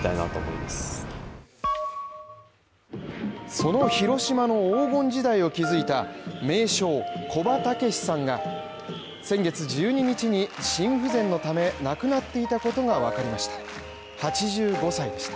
その広島の黄金時代を築いた名将古葉竹識さんが先月１２日に心不全のため亡くなっていたことがわかりました。